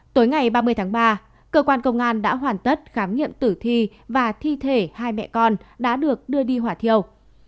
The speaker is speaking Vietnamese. tối ngày ba mươi tháng ba cơ quan công an đã hoàn tất khám nghiệm tử thi và thi thể hai mẹ con đã được đưa đi hỏa thiêu